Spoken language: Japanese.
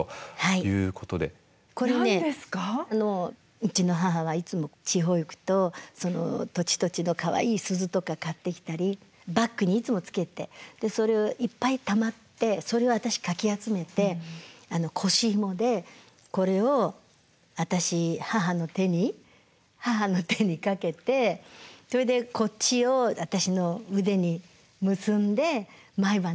うちの母はいつも地方へ行くとその土地土地のかわいい鈴とか買ってきたりバッグにいつもつけてそれいっぱいたまってそれを私かき集めて腰ひもでこれを私母の手に母の手にかけてそれでこっちを私の腕に結んで毎晩寝るんですよ。